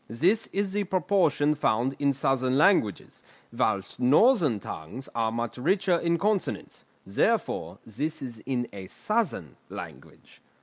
This is the proportion found in southern languages, whilst northern tongues are much richer in consonants; therefore this is in a southern language."